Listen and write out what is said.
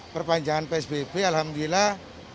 perpanjangan psbb alhamdulillah